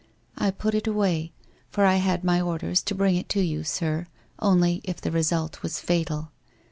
I put it away, for J had my orders to bring it to you. sir, only if the result was fatal.